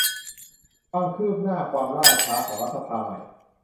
ความคืบหน้า ความล่าช้า ของรัฐสภาใหม่